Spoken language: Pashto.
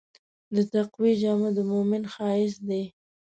د تقوی جامه د مؤمن ښایست دی.